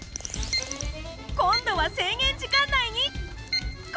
今度は制限時間内にゴール！